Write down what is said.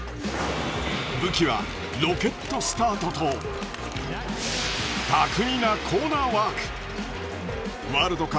武器はロケットスタートと巧みなコーナーワーク。